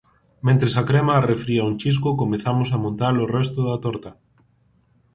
Mentres a crema arrefría un chisco comezamos a montar o resto da torta.